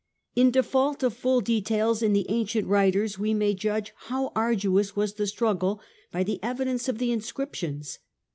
In default of full details in the ancient writers we may where the judge how arduous was the struggle by the lo^and^^^ evidence of the inscriptions.